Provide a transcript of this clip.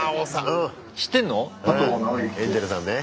うんエンジェルさんね。